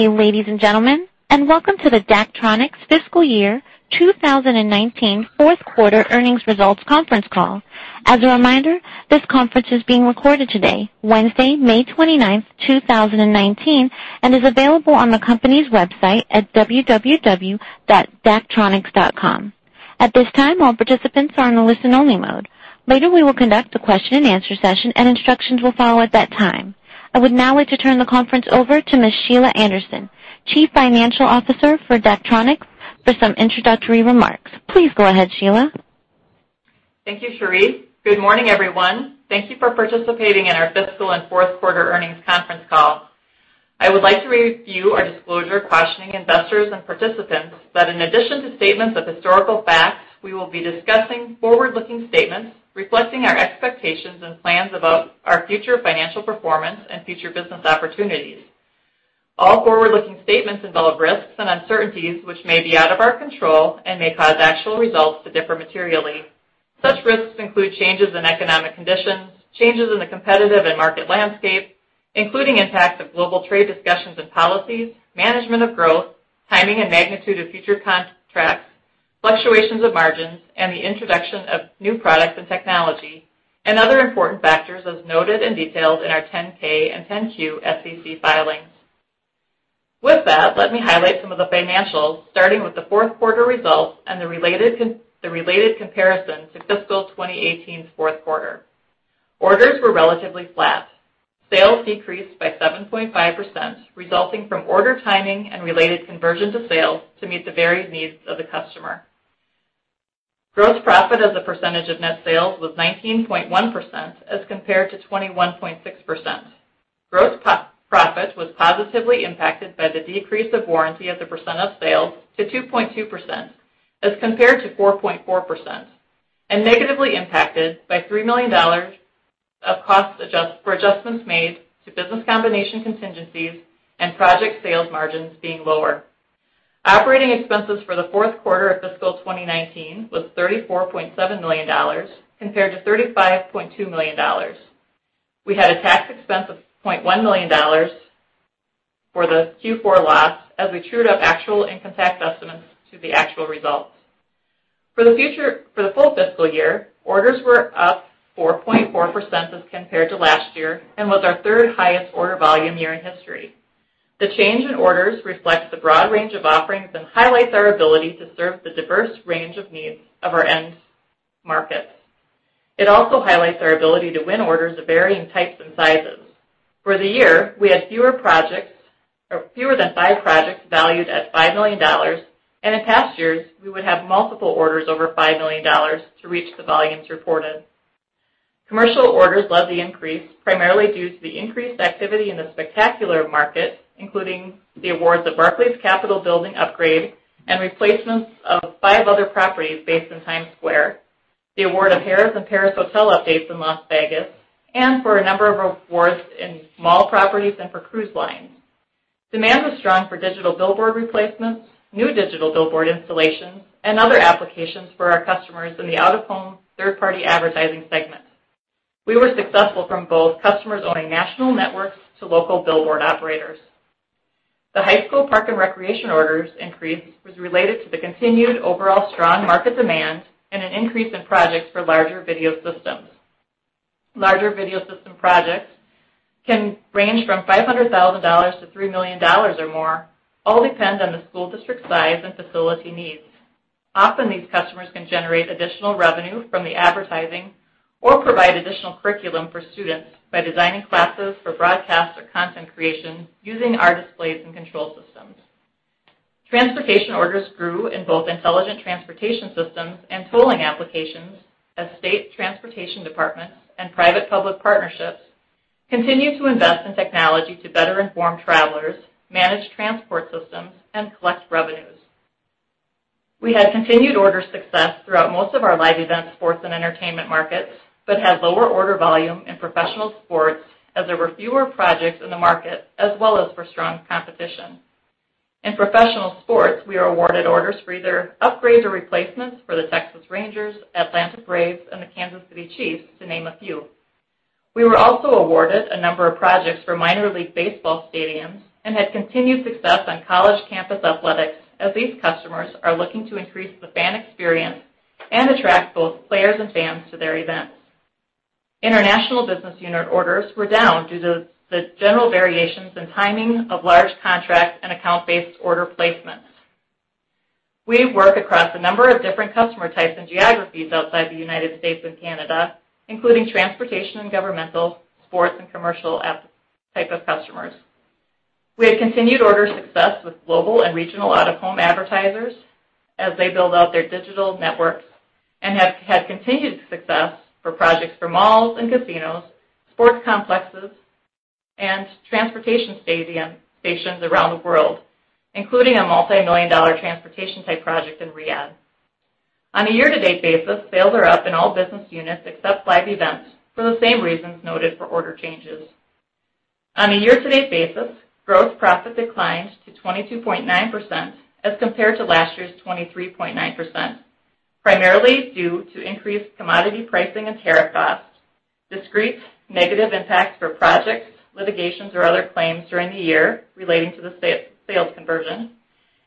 Good day, ladies and gentlemen. Welcome to the Daktronics Fiscal Year 2019 fourth quarter earnings results conference call. As a reminder, this conference is being recorded today, Wednesday, May 29, 2019, and is available on the company's website at www.daktronics.com. At this time, all participants are in a listen-only mode. Later, we will conduct a question and answer session, and instructions will follow at that time. I would now like to turn the conference over to Ms. Sheila Anderson, Chief Financial Officer for Daktronics, for some introductory remarks. Please go ahead, Sheila. Thank you, Cherise. Good morning, everyone. Thank you for participating in our fiscal and fourth quarter earnings conference call. I would like to review our disclosure cautioning investors and participants that in addition to statements of historical facts, we will be discussing forward-looking statements reflecting our expectations and plans about our future financial performance and future business opportunities. All forward-looking statements involve risks and uncertainties which may be out of our control and may cause actual results to differ materially. Such risks include changes in economic conditions, changes in the competitive and market landscape, including impacts of global trade discussions and policies, management of growth, timing and magnitude of future contracts, fluctuations of margins, the introduction of new products and technology, and other important factors as noted and detailed in our 10-K and 10-Q SEC filings. With that, let me highlight some of the financials, starting with the fourth quarter results and the related comparison to fiscal 2018's fourth quarter. Orders were relatively flat. Sales decreased by 7.5%, resulting from order timing and related conversion to sales to meet the varied needs of the customer. Gross profit as a percentage of net sales was 19.1% as compared to 21.6%. Gross profit was positively impacted by the decrease of warranty as a percent of sales to 2.2% as compared to 4.4%, and negatively impacted by $3 million of costs for adjustments made to business combination contingencies and project sales margins being lower. Operating expenses for the fourth quarter of fiscal 2019 was $34.7 million compared to $35.2 million. We had a tax expense of $0.1 million for the Q4 loss as we trued up actual income tax estimates to the actual results. For the full fiscal year, orders were up 4.4% as compared to last year and was our third highest order volume year in history. The change in orders reflects the broad range of offerings and highlights our ability to serve the diverse range of needs of our end markets. It also highlights our ability to win orders of varying types and sizes. For the year, we had fewer than five projects valued at $5 million, and in past years, we would have multiple orders over $5 million to reach the volumes reported. Commercial orders led the increase, primarily due to the increased activity in the spectacular market, including the awards of Barclays Capital Building upgrade and replacements of five other properties based in Times Square, the award of Harrah's and Paris hotel updates in Las Vegas, and for a number of awards in mall properties and for cruise lines. Demand was strong for digital billboard replacements, new digital billboard installations, and other applications for our customers in the out-of-home third-party advertising segment. We were successful from both customers owning national networks to local billboard operators. The high school park and recreation orders increase was related to the continued overall strong market demand and an increase in projects for larger video systems. Larger video system projects can range from $500,000 to $3 million or more, all depend on the school district size and facility needs. Often, these customers can generate additional revenue from the advertising or provide additional curriculum for students by designing classes for broadcast or content creation using our displays and control systems. Transportation orders grew in both intelligent transportation systems and tolling applications as state transportation departments and private-public partnerships continue to invest in technology to better inform travelers, manage transport systems, and collect revenues. We had continued order success throughout most of our live event sports and entertainment markets but had lower order volume in professional sports as there were fewer projects in the market as well as for strong competition. In professional sports, we are awarded orders for either upgrades or replacements for the Texas Rangers, Atlanta Braves, and the Kansas City Chiefs, to name a few. We were also awarded a number of projects for minor league baseball stadiums and had continued success on college campus athletics as these customers are looking to increase the fan experience and attract both players and fans to their events. International business unit orders were down due to the general variations in timing of large contracts and account-based order placements. We work across a number of different customer types and geographies outside the United States and Canada, including transportation and governmental, sports, and commercial type of customers. We had continued order success with global and regional out-of-home advertisers as they build out their digital networks and have had continued success for projects for malls and casinos, sports complexes, and transportation stations around the world, including a multimillion-dollar transportation type project in Riyadh. On a year-to-date basis, sales are up in all business units except live events for the same reasons noted for order changes. On a year-to-date basis, gross profit declined to 22.9% as compared to last year's 23.9%, primarily due to increased commodity pricing and tariff costs. Discrete negative impacts for projects, litigations, or other claims during the year relating to the sales conversion,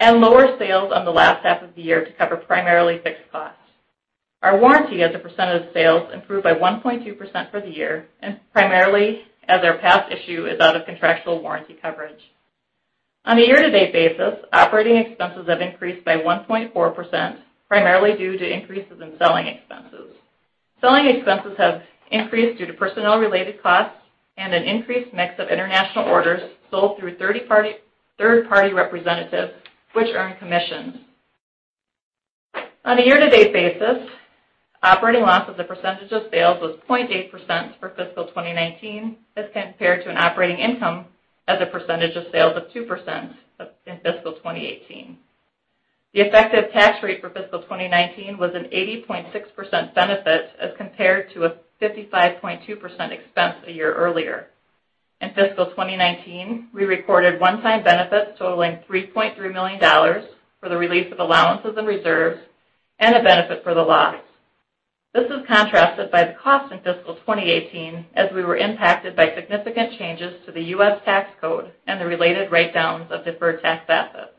and lower sales on the last half of the year to cover primarily fixed costs. Our warranty as a percentage of sales improved by 1.2% for the year, and primarily as our past issue is out of contractual warranty coverage. On a year-to-date basis, operating expenses have increased by 1.4%, primarily due to increases in selling expenses. Selling expenses have increased due to personnel-related costs and an increased mix of international orders sold through third-party representatives, which earn commissions. On a year-to-date basis, operating loss as a percentage of sales was 0.8% for fiscal 2019 as compared to an operating income as a percentage of sales of 2% in fiscal 2018. The effective tax rate for fiscal 2019 was an 80.6% benefit as compared to a 55.2% expense a year earlier. In fiscal 2019, we recorded one-time benefits totaling $3.3 million for the release of allowances and reserves and a benefit for the lot. This is contrasted by the cost in fiscal 2018, as we were impacted by significant changes to the U.S. tax code and the related write-downs of deferred tax assets.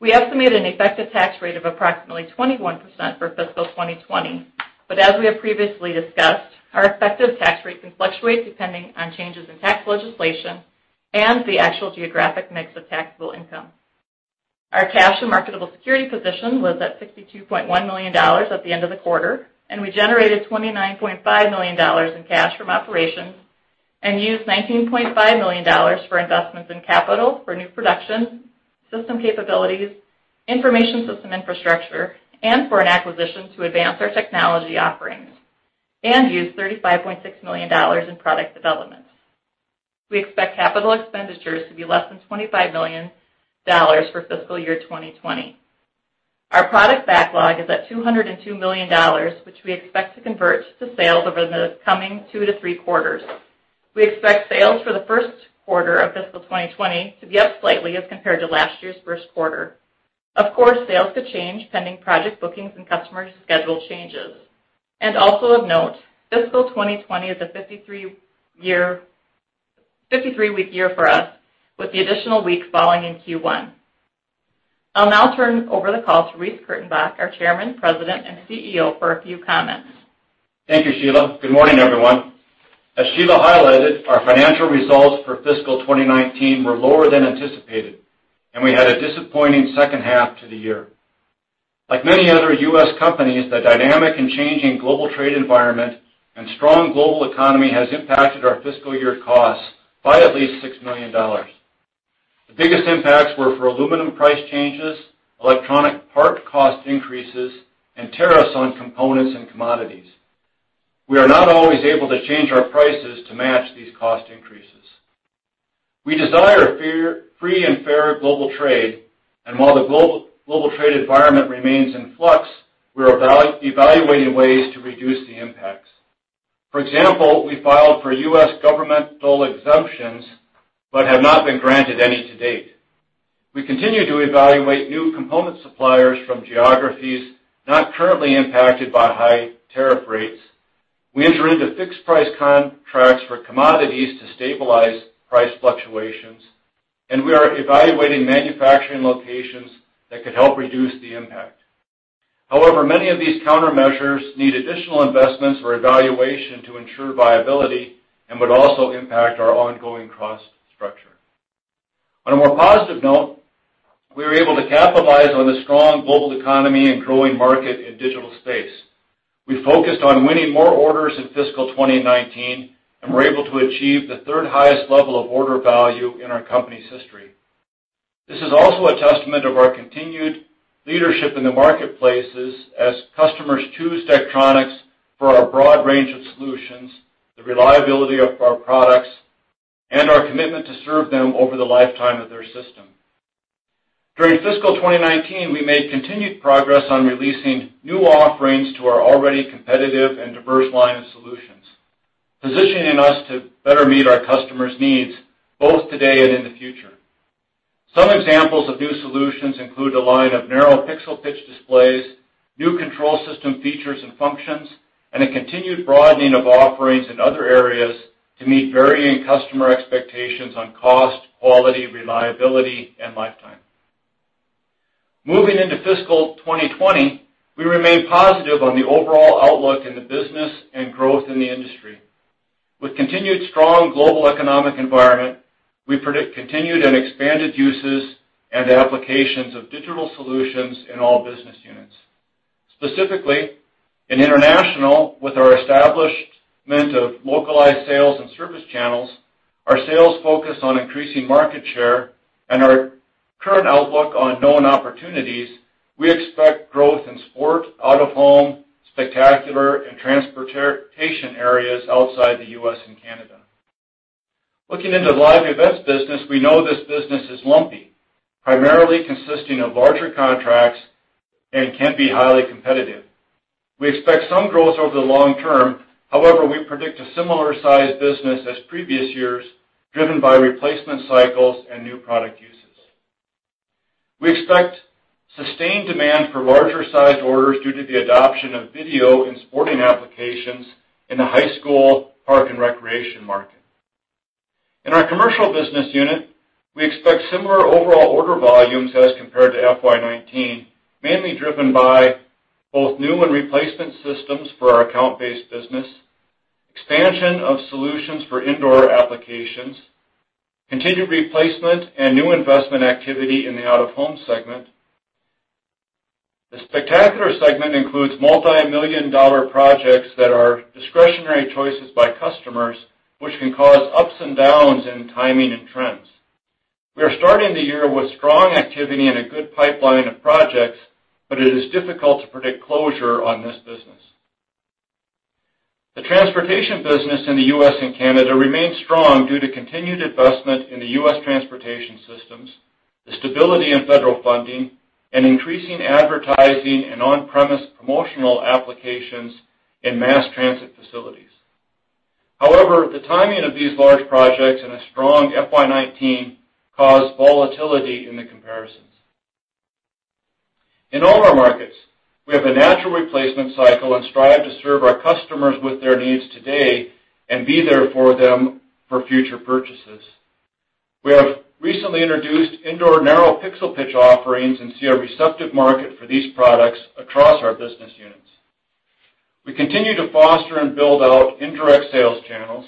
We estimate an effective tax rate of approximately 21% for fiscal 2020, but as we have previously discussed, our effective tax rate can fluctuate depending on changes in tax legislation and the actual geographic mix of taxable income. Our cash and marketable security position was at $62.1 million at the end of the quarter, and we generated $29.5 million in cash from operations and used $19.5 million for investments in capital for new production, system capabilities, information system infrastructure, and for an acquisition to advance our technology offerings, and used $35.6 million in product developments. We expect capital expenditures to be less than $25 million for fiscal year 2020. Our product backlog is at $202 million, which we expect to convert to sales over the coming two to three quarters. We expect sales for the first quarter of fiscal 2020 to be up slightly as compared to last year's first quarter. Of course, sales could change pending project bookings and customer schedule changes. Also of note, fiscal 2020 is a 53-week year for us, with the additional week falling in Q1. I'll now turn over the call to Reece Kurtenbach, our Chairman, President, and CEO, for a few comments. Thank you, Sheila. Good morning, everyone. As Sheila highlighted, our financial results for fiscal 2019 were lower than anticipated, and we had a disappointing second half to the year. Like many other U.S. companies, the dynamic and changing global trade environment and strong global economy has impacted our fiscal year costs by at least $6 million. The biggest impacts were for aluminum price changes, electronic part cost increases, and tariffs on components and commodities. We are not always able to change our prices to match these cost increases. We desire a free and fair global trade, and while the global trade environment remains in flux, we are evaluating ways to reduce the impacts. For example, we filed for U.S. governmental exemptions but have not been granted any to date. We continue to evaluate new component suppliers from geographies not currently impacted by high tariff rates. We enter into fixed-price contracts for commodities to stabilize price fluctuations, and we are evaluating manufacturing locations that could help reduce the impact. However, many of these countermeasures need additional investments or evaluation to ensure viability and would also impact our ongoing cost structure. On a more positive note, we were able to capitalize on the strong global economy and growing market in digital space. We focused on winning more orders in fiscal 2019 and were able to achieve the third highest level of order value in our company's history. This is also a testament to our continued leadership in the marketplaces as customers choose Daktronics for our broad range of solutions, the reliability of our products, and our commitment to serve them over the lifetime of their system. During fiscal 2019, we made continued progress on releasing new offerings to our already competitive and diverse line of solutions, positioning us to better meet our customers' needs both today and in the future. Some examples of new solutions include a line of narrow pixel pitch displays, new control system features and functions, and a continued broadening of offerings in other areas to meet varying customer expectations on cost, quality, reliability, and lifetime. Moving into fiscal 2020, we remain positive on the overall outlook in the business and growth in the industry. With continued strong global economic environment, we predict continued and expanded uses and applications of digital solutions in all business units. Specifically, in international, with our establishment of localized sales and service channels, our sales focus on increasing market share, and our current outlook on known opportunities, we expect growth in sport, out-of-home, spectacular, and transportation areas outside the U.S. and Canada. Looking into the live events business, we know this business is lumpy, primarily consisting of larger contracts and can be highly competitive. We expect some growth over the long term. However, we predict a similar size business as previous years, driven by replacement cycles and new product usage. We expect sustained demand for larger-sized orders due to the adoption of video and sporting applications in the high school park and recreation market. In our commercial business unit, we expect similar overall order volumes as compared to FY 2019, mainly driven by both new and replacement systems for our account-based business, expansion of solutions for indoor applications, continued replacement and new investment activity in the out-of-home segment. The spectacular segment includes multi-million dollar projects that are discretionary choices by customers, which can cause ups and downs in timing and trends. We are starting the year with strong activity and a good pipeline of projects, but it is difficult to predict closure on this business. The transportation business in the U.S. and Canada remains strong due to continued investment in the U.S. transportation systems, the stability in federal funding, and increasing advertising and on-premise promotional applications in mass transit facilities. However, the timing of these large projects and a strong FY 2019 cause volatility in the comparisons. In all our markets, we have a natural replacement cycle and strive to serve our customers with their needs today and be there for them for future purchases. We have recently introduced indoor narrow pixel pitch offerings and see a receptive market for these products across our business units. We continue to foster and build out indirect sales channels.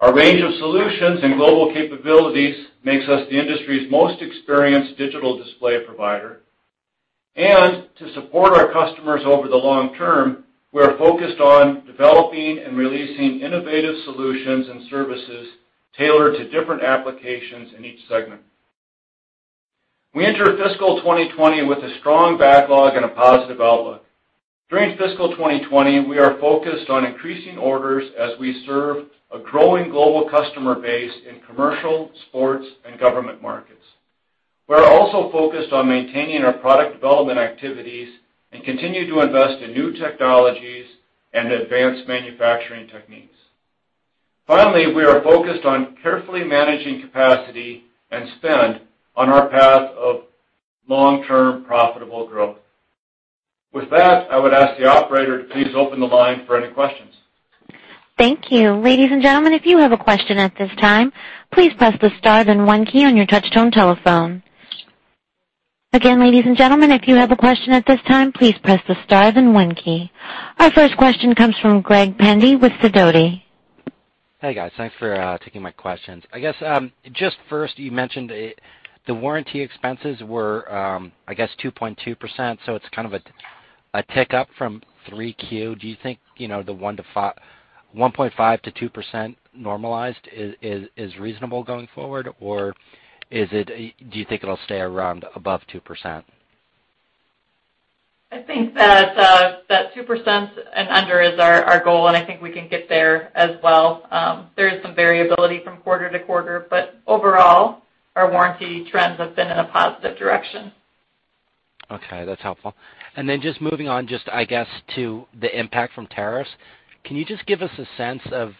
Our range of solutions and global capabilities makes us the industry's most experienced digital display provider. To support our customers over the long term, we are focused on developing and releasing innovative solutions and services tailored to different applications in each segment. We enter fiscal 2020 with a strong backlog and a positive outlook. During fiscal 2020, we are focused on increasing orders as we serve a growing global customer base in commercial, sports, and government markets. We're also focused on maintaining our product development activities and continue to invest in new technologies and advanced manufacturing techniques. Finally, we are focused on carefully managing capacity and spend on our path of long-term profitable growth. With that, I would ask the operator to please open the line for any questions. Thank you. Ladies and gentlemen, if you have a question at this time, please press the star then one key on your touch-tone telephone. Again, ladies and gentlemen, if you have a question at this time, please press the star then one key. Our first question comes from Greg Pendy with Sidoti. Hey, guys. Thanks for taking my questions. I guess, just first, you mentioned the warranty expenses were, I guess, 2.2%, so it's kind of a tick up from 3Q. Do you think the 1.5%-2% normalized is reasonable going forward? Do you think it'll stay around above 2%? I think that 2% and under is our goal, and I think we can get there as well. There is some variability from quarter to quarter, but overall, our warranty trends have been in a positive direction. Okay, that's helpful. Then just moving on just, I guess, to the impact from tariffs. Can you just give us a sense of,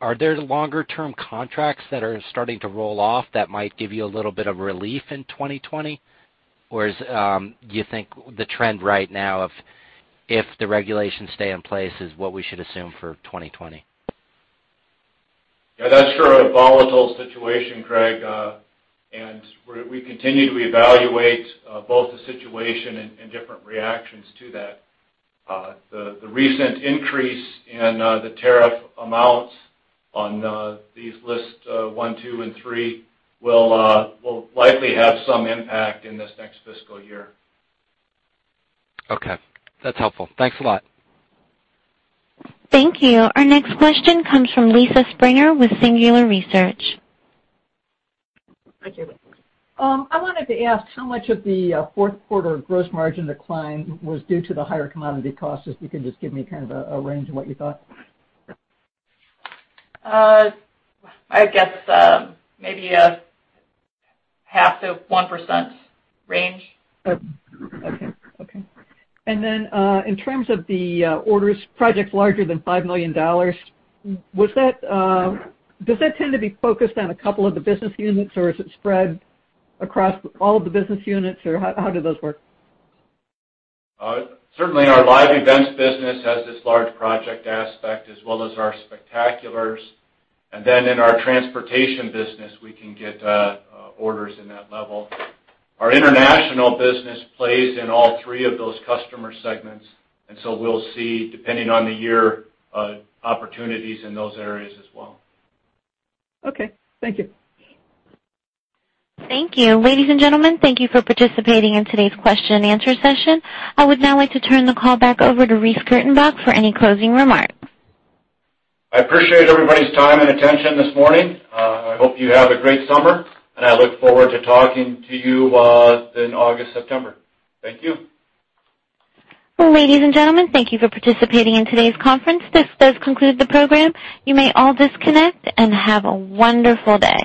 are there longer-term contracts that are starting to roll off that might give you a little bit of relief in 2020? Or do you think the trend right now of if the regulations stay in place is what we should assume for 2020? Yeah, that's sure a volatile situation, Greg. We continue to evaluate both the situation and different reactions to that. The recent increase in the tariff amounts on these lists one, two, and three will likely have some impact in this next fiscal year. Okay. That's helpful. Thanks a lot. Thank you. Our next question comes from Lisa Springer with Singular Research. Thank you. I wanted to ask how much of the fourth quarter gross margin decline was due to the higher commodity costs, if you could just give me kind of a range of what you thought. I guess, maybe a half to 1% range. Okay. In terms of the orders, projects larger than $5 million, does that tend to be focused on a couple of the business units, or is it spread across all of the business units, or how do those work? Certainly our live events business has this large project aspect as well as our spectaculars, and then in our transportation business, we can get orders in that level. Our international business plays in all three of those customer segments, and so we'll see, depending on the year, opportunities in those areas as well. Okay. Thank you. Thank you. Ladies and gentlemen, thank you for participating in today's question and answer session. I would now like to turn the call back over to Reece Kurtenbach for any closing remarks. I appreciate everybody's time and attention this morning. I hope you have a great summer, and I look forward to talking to you in August, September. Thank you. Ladies and gentlemen, thank you for participating in today's conference. This does conclude the program. You may all disconnect and have a wonderful day.